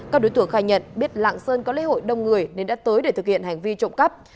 các đối tượng khai nhận biết lạng sơn có lễ hội đông người nên đã tới để thực hiện hành vi trộm cắp